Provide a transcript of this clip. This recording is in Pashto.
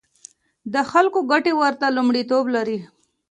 د خلکو ګټې ورته لومړیتوب لري.